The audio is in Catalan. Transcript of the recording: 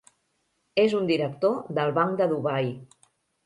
És un director del Banc de Dubai.